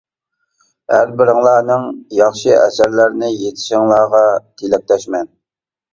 ھەر بىرىڭلارنىڭ ياخشى ئەسەرلەرنى يېزىشىڭلارغا تىلەكداشمەن.